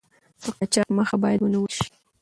د قاچاق مخه باید ونیول شي.